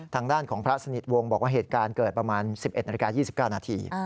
ทางด้านของพระสนิทวงศ์บอกว่าเหตุการณ์เกิดประมาณ๑๑นาฬิกา๒๙นาที